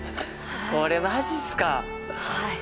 これマジっすか。